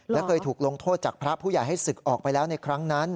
และเคยถูกลงโทษจากพระผู้ใหญ่ให้ศึกออกไปแล้วในครั้งนั้น